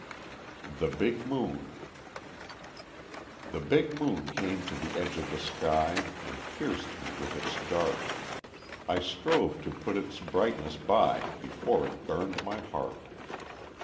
The Big Moon The big moon came to the edge of the sky, And pierced me with its dart; I strove to put its brightness by Before it burned my heart.